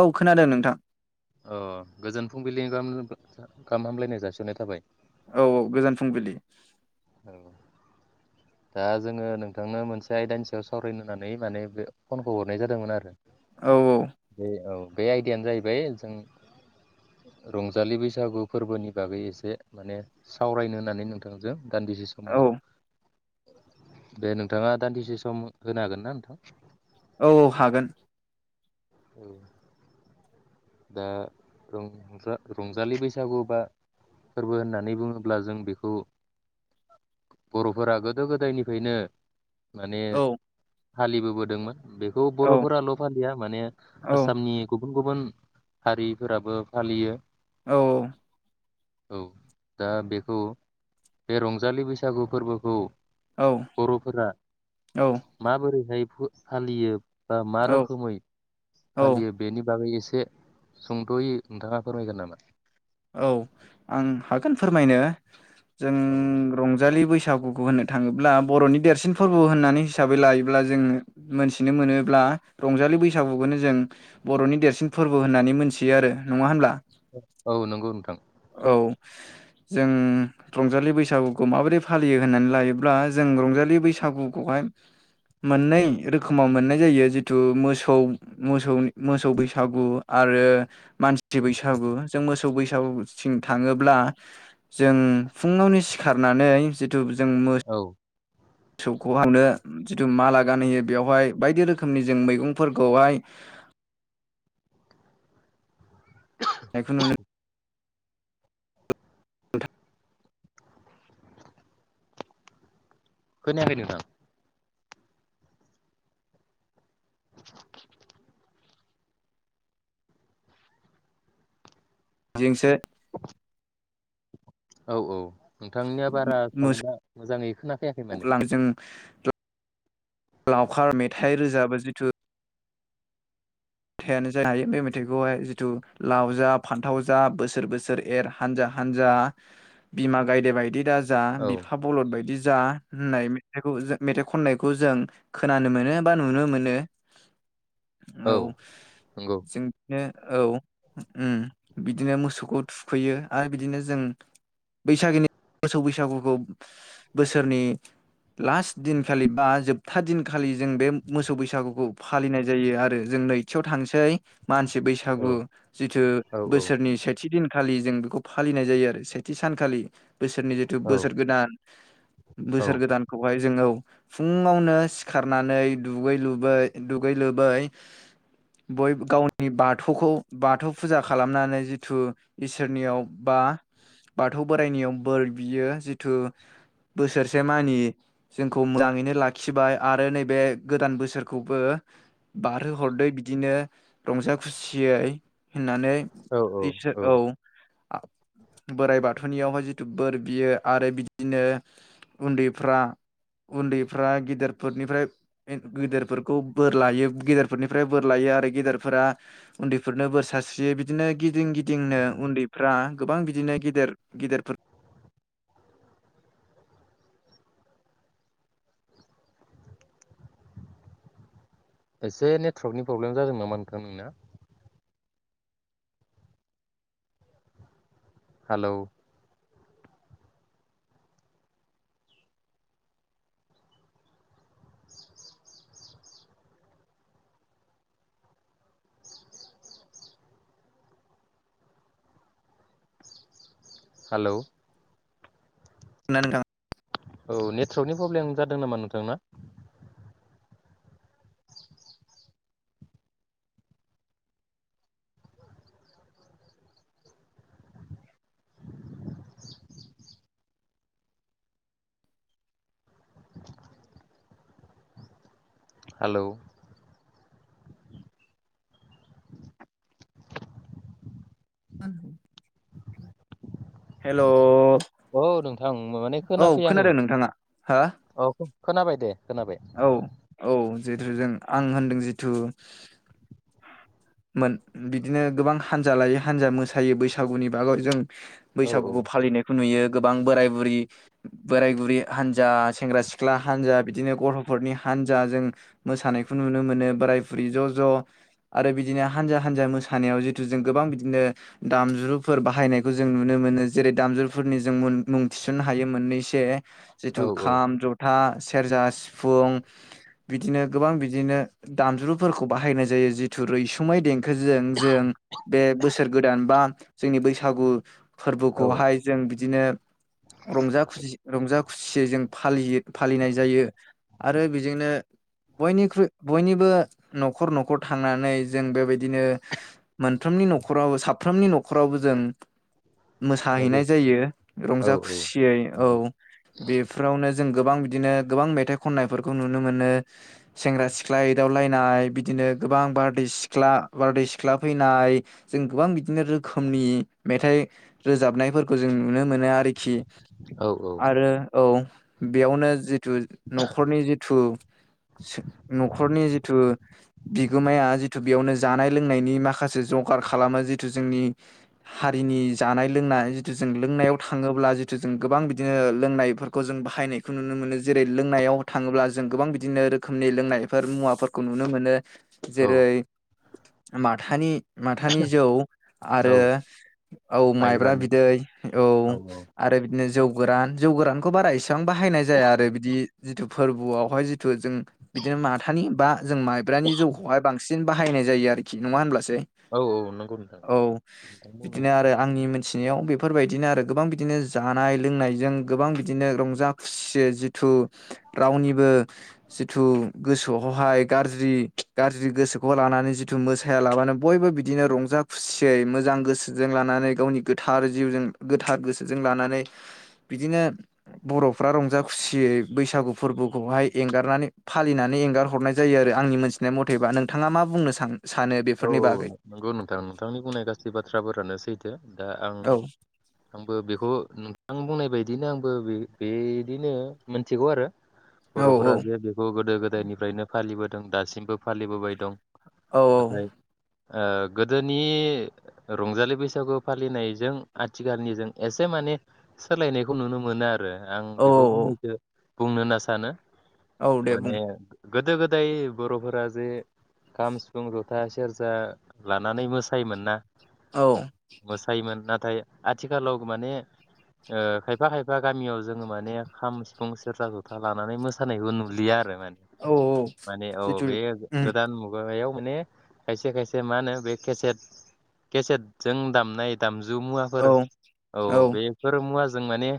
औ खोनादों नोंथां। अह गोजोन फुंबिलिनि गाहाम गाहाम हामलायनाय जासिनाय थाबाय। औ औ गोजोन फुंबिलि औ दा जोंङो नोंथांनो मोनसे आयदानि सायाव सावरायनोहोनानै माने बे फनखौ हरनाय जादोंमोन आरो। औ दे औ बे आयडयानो जाहैबाय जों रंजालि बैसागु फोरबोनि बागै एसे माने सावरायनो होननानै नोंथांजों दान्दिसे सम औ हर दे नोंथाङा दान्दिसे सम होनो हागोन ना नोंथां? औ हागोन। औ दा रंजा रंजालि बैसागु बा फोरबो होननानै बुङोब्ला जों बेखौ बर'फोरा गोदो गोदायनिफ्रायनो माने औ फालिबोबोदोंमोन। बेखौ औ बर'फोराल फालिया माने औ आसामनि गुबुन हारिफोराबो फालियो। औ औ दा बेखौ बे रंजालि बैसागु फोरबोखौ औ बर'फोरा माबोरैहाय फालियो।। बा मा औ रोखोमै औ फालियो बेनि बागै एसे सुंदयै नोंथाङा फोरमायगोन नामा? औ आं हागोन फोरमायनो जों रंजालि बैसो बैसागुखौ होननो थाङोब्ला ब'रनि देरसिन फोरबो होननानै हिसाबै लायोब्ला जों मोनथिनो मोनोब्ला रंजालि बैसागुखौनो जों बर'नि देरसिन फोरबो होननानै मोनथियो आरो नङा होनब्ला? नोंथां औ नंगौ नोंथां। औ जों रंजालि बैसागुखौ माबोरै फालियो होननानै लायोब्ला जों रंजालि बैसागुखौहाय मोननै रोखोमाव मोननाय जायो। जिथु मोसौ मोसौनि मोसौ बैसागु आरो मानसि बैसागु जों मोसौ बैसागु बुंनो थाङोब्ला जों फुङावनो सिखारनानै धुबजों मोस औ मोसौखौ आङो जिथु माला गानहोयो बेवहाय बायदि रोखोमनि जों मैगंफोरखौहाय जायखौ नुनो खोनायाखै नोंथां। बेजोंसो औ औ नोंथांनिया बारा मोसौ साउन्डआ मोजाङै खोनाफायाखै माने [inaudible] लावखार मेथाइ रोजाबो जिथु मेथाइयानो जाय हायो बे मेथाइखौहाय जिथु लाव जा फान्थाव जा बोसोर बोसोर एर हानजा हानजा बिमा गायदे बायदि दा जा औ बिफा बलद बायदि जा होननाय मेथाइखौ मेथाइ खननायखौ जों खोनानो मोनो बा नुनो मोनो औ नंगौ जों बिनो औ ओम बिदिनो मोसौखौ थुखैयो आरो बिदिनो जों बैसागोनि मोसौ बैसागुखौ बोसोरनि लास्ट दिनखालि बा जोबथा दिनखालि जों बे मोसौ बैसागुखौ फालिनाय जायो आरो जों नै खाथियाव थांनोसै मानसि औ बैसागु जिथु औ बोसोरनि सेथि दिन सानखालि जों बेखौ फालिनाय जायो आरो सेथि सानखालि बोसोरनि जिथु औ बोसोर गोदान बोसोर गोदानखौहाय जोङो फुङावनो सिखारनानै दुगै लै दुगै लोबै बयबो गावनि बाथौखौ बाथौ फुजा खालामनानै जिथु इसोरनियाव बा बाथौ बोराइनियाव बोर बियो जिथु बोसोरसे मानि जोंखौ मोजाङैनो लाखिबाय आरो नैबे गोदान बोसोरखौबो बारहोहरदो बिदिनो रंजा खुसियै होननानै औ इसोर औ बोराइ बाथौनियावहाय जिथु बोर बियो आरो बिदिनो उन्दैफ्रा उन्दैफ्रा गेदेरफोरनिफ्राय गेदेरफोरखौ बोर लायो गेदेरफोरनिफ्राय बोर लायो आरो गेदेरफोरा उन्दैफोरनो बोर सारस्रियो बिदिनो गिदिं गिदिंनो उन्दैफ्रा गोबां बिदिनो गेदेर गेदेरफोर एसे नेटवर्कनि प्रब्लेम जादों नामा नोंथां नोंनिया हेलौ हेलौ नंगौ नोंथां औ नेटवर्कनि प्रब्लेम जादों नामा नोंथांना हेलौ हेल' औ नोंथां माने औ खोनादों खोनाफैयाखैमोन नोंथाङा हा औ खोनाबाय दे खोनाबाय औ औ जिथु जों आं होनदों जिथु मोन बिदिनो गोबां हानजा लायो हानजा मोसायो बैसागुनि बागर जों औ औ बैसागुखौ फालिनायखौ नुयो गोबां बोराय बुरि बोराय बुरि हानजा सेंग्रा सिख्ला हानजा बिदिनो गथ'फोरनि हानजा जों मोसानायखौ नुनो मोनो बोराय बुरि ज' ज' आरो बिदिनो हानजा हानजा मोसानायाव जिहेतु जों गोबां बिदिनो दामजुफोर बाहायनायखौ जों नुनो मोनो जेरै दामजुफोरनि जों मुं थिसननो हायो मोननैसो जिथु औ औ खाम जथा सेरजा सिफुं बिदिनो गोबां बिदिनो दामजुफोरखौ बाहायनाय जायो जिथु रैस सुमै दें खोजों जों बे बोसोर गोदान बा जोंनि बैसाग सागु औ फोर्बोखौहाय जों बिदिनो रंजा खुसि रंजा खुसियै जों फालियो फालिनाय जायो आरो बेजोंनो बयनिख्रुइ बयनिबो न'खर न'खर थांनानै जों बेबायदिनो मोनफ्रोमनि न'खराव साफ्रोमनि न'खरावबो जों माने बै मोसाहैनाय जायो औ रंजा खुसियै औ बेफोरावनो जों गोबां बिदिनो गोबां मेथाइ खननायफोरखौ नुनो मोनो सेंग्रा सिख्ला एदावलायनाय बिदिनो गोबां बारदै सि ख्ला बारदै सिख्ला फैनाय जों गोबां बिदिनो रोखोमनि मेथाइ रोजाबनायफोरखौ जों नुनो मोनो आरोखि। औ औ आरो औ बेयावनो जि थु न'खरनि जिथु न'खरनि जिथु बिगोमाया जिथु बेयावनो जानाय लोंनायनि माखासे जगार खालामो जिथु जोंनि हारिनि जानाय लोंनाय जिथु जों लोंनायाव थाङोब्ला जिथु जों गोबां बिदिनो लोंनायफोरखौ जों बाहायनायखौ नुनो मोनो जेरै लोंनायाव थाङोब्ला जों गोबां बिदिनो रोखोमनि लोंनायफोर मुवाफोरखौ नुनो मोनो। औ जेरै माथानि माथानि जौ आरो औ औ माइब्रा माइब्रानि बिदै औ आरो बिदिनो जौ गोरान जौ गोरानखौ बारा एस बां बाहायनाय जाया आरो बिदि जिथु फोर्बो आवहाय जि थु जों बिदिनो माथानि बा जों माइब्रानि जौखौहाय बांसि सिन बाहायनाय जायो आरोखि नङा होमब्ला? औ औ नंगौ नोंथां औ नोंथां बुंनाय बिदिनो आरो आंनि थिनायाव बेफोरबायदिनो आरो गोबां बिदिनो जानाय लोंनायजों गोबां बिदिनो रंजा खुसि जिथु रावनिबो जिथु गोसोआवहाय गाज्रि गाज्रि गोसो खौ लानानै जिथु मोसाया लाबानो बयबो बिदिनो रंजा खुसियै मोजां गोसोजों लानानै गावनि गोथार जिउजों गोथार गोसोजों लानानै बिदिनो बर'फ्रा रंजा खुसियै बैसागु फोर्बोखौहाय एंगारनानै फालिनानै एंगार हरनाय जायो आरो आंनि मोनथिनाय मथेबा नों थाङा मा बुंनो सान औ औ नंगौ नोंथां नोंथांनि बुंनाय गासै बाथ्राफोरानो सैथो। दा आं औ आंबो बेखौ नोंथां बुंनाय बायदिनो आंबो बे-बेदिनो मोनथिगौ आरो। औ बर'फोरा जे बेखौ गोदो गो दाइनिफ्रायनो फालिबोदों दासिमबो फालिबोबाय दं। औ औ। नाथाय ओ गोदोनि रंजालि बैसागु फालिनायजों आथिखालनिजों एसे माने सोलायनायखौ नुनो मोनो आ रो आं औ बेखौ फंनैसो बुंनो होनना सानो। औ दे बुं माने गोदो गोदाय बर'फोरा जे खाम सि फुं जथा सेरजा लानानै मोसायोमोनना, औ मोसायो मोनना थाय आथिखालाव माने ओ खायफा खायफा गामियाव जोङो माने खाम सिफुं सेरजा जथा लानानै मोसानायखौ नुलिया आरो। औ माने औ जिथु बे उम गोदान मुगा बेयाव माने खायसे खायसे मा होनो बे केसेद केसेदजों दामनाय दाम‌ ज मुवाफोर औ औ औ बेफोर मुवाजो जों माने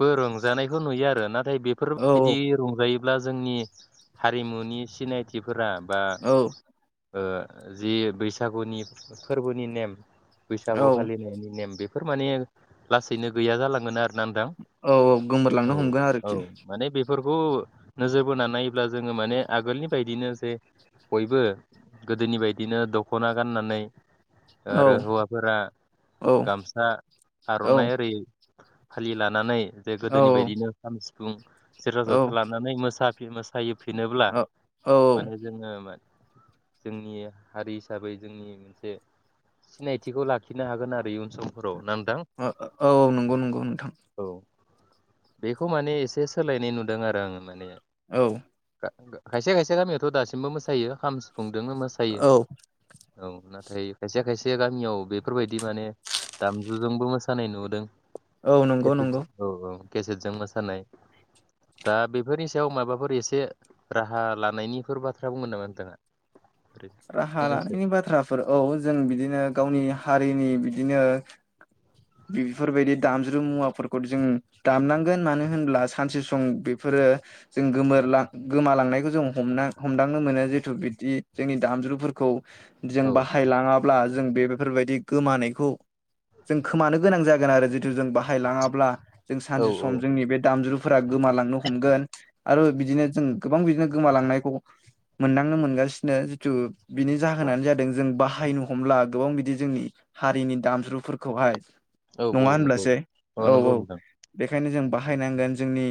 बो रंजानायखौ नुयो आरोना। ओमफ्राय औ बेफोरबायदि रंजायो। -ब्ला जोंनि हारिमुनि सिनायथिफोरा। बा औ ओ जि बैसागुनि फोरबोनि नेम बैसागु औ फालिनायनि नेम बे बेफोर माने लासैनो गैया जालांगोन आरो। औ औ गोमोरलांनो हमगोन औ आरोखि। माने बेफोरखौ नोजोर बोनानै नायोब्ला जोङो माने आगोलनि बायदिनो जे बयबो गोदोनि बायदिनो दख'ना गाननानै। औ आरो हौवाफोरा औ गामसा औ आर'नाइ ओरै फालि लानानै बे गोदोनि बायदिनो। -बुं सेरजा औ जथा लानानै मोसा। फेमास। थायोफिनोब्ला औ माने जोङो मा जोंनि हारि हिसाबै जोंनि मोनसे सिनायथिखौ लाखिनो हागोन आरो इउन समफोराव नां। औ औ नंगौ नंगौ नोंथां। औ बेखौ माने एसे सोलायनाय नुदों आरो, आङो माने औ। खायसे खायसे गामियावथ' दासिमबो मोसायो खाम सि -फुंदोंनो मोसायो औ औ ना। नाथाय खायसे खायसे गामियाव बेफोरबायदि माने दामजुजोंबो मोसानाय नुदों। औ नंगौ नंगौ औ औ। केसेटजों मोसानाय दा बेफोरनि सायाव माबाफोर एसे राहा लानायनिफोर बाथ्रा बुंगोन नामा नोंथाङा? ओरै राहा फंनैसो लानायनि बाथ्राफोर औ जों बिदिनो गावनि हारिनि बिदि बिदिनो बेफोरबायदि दामज्रु मुवाफोरखौ जों दामनांगोन मानो होनब्ला सानसे सम बेफोरो जों गोमोरलां गोमालांनायखौ जों हमना हमदांनो मोनो जिेतु बिदि। जोंनि दामज्रुफोरखौ जों औ बाहायलाङाब्ला। जों बे बेफोरबायदि गोमानायखौ जों खोमानो गोनां जागोन आरो जितु जों बाहायलाङाब्ला। जों औ सानसे औ सम जोंनि बे दामजु। फ्रा गोमालांनो हमगोन आरो बिदिनो जों गोबां बिदिनो गोमालांनायखौ मोनदांनो मोनगासिनो। नो जिथु बिनि जाहोनानो जादों जों बाहायनो हमला गोबां बिदि जोंनि हारिनि दामज्रुफोरखौहाय औ नङा औ नंगौ होनब्लासो औ औ नंगौ बे नोंथां बेखायनो जों बाहायनांगोन जोंनि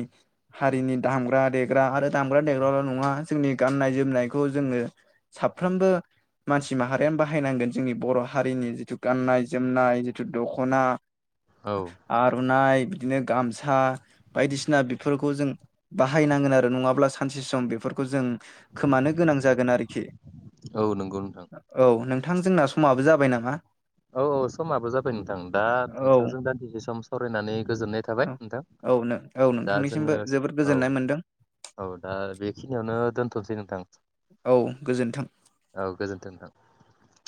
हारिनि दामग्रा देग्रा आरो दामग्रा देग्राल' नङा जोंनि गाननाय जोमनायखौ जोङो साफ्रोमबो मानसि माहारियानो बाहायनांगोन जोंनि बर' हारिनि जिथु गाननाय जोमनाय जिथु दख'ना औ आर'नाइ बिदिनो गामसा बायदिसिना बेफोरखौ जों बाहायनांगोन आरो नङाब्ला सानसे सम बेफोरखौ जों खोमानो गोनां जागोन आरो औ नंगौ नोंथां। औ नोंथां जोंना समाबो जाबाय नामा? औ औ समाबो जाबाय नोंथां दा औ नोंथांजों दान्दिसे सम सावरायनानै गोजोननाय थाबाय औ नोंथां औ औ दा नोंथांनिसिमबो जोङो जोबोद औ गोजोननाय मोनदों औ दा बेखिनियावनो दोन्थ'सै नोंथां औ गोजोन्थों औ गोजोनथों नोंथां।